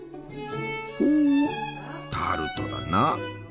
ほうタルトだな！